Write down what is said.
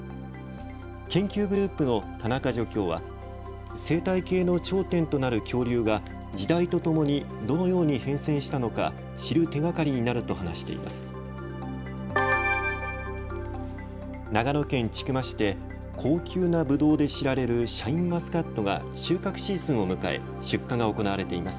研究グループの田中助教は生態系の頂点となる恐竜が時代とともにどのように変遷したのか知る手がかりになると話しています。